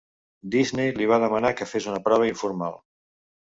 Disney li va demanar que fes una prova informal.